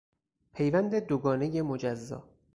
پیوند دو گانهی مجزا